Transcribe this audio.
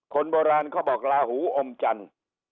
คนโบราณเขาบอกลาหูอมจันทร์